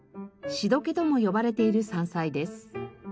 シドケとも呼ばれている山菜です。